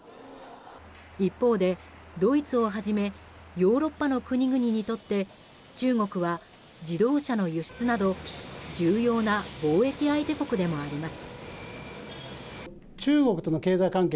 一方で、ドイツをはじめヨーロッパの国々にとって中国は、自動車の輸出など重要な貿易相手国でもあります。